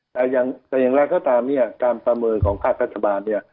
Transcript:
แต่อย่างแต่อย่างไรก็ตามเนี่ยการประเมินของภาครัฐบาลเนี่ย